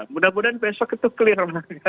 mudah mudahan besok itu clear